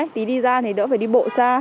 tí đi ra thì đỡ phải đi bộ xa